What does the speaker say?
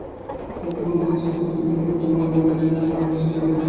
তুমি কি বলতে চাও কর্তব্যকে কর্তব্য বলে মানা যায় না অরুচি কাটিয়ে দিয়েও?